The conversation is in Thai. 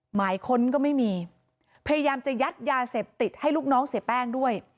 หมายค้นก็ไม่มีพยายามจะยัดยาเสพติดให้ลูกน้องเสียแป้งด้วย